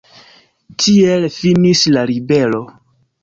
Tiele finis la ribelo.